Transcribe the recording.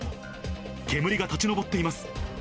煙が立ち上っています。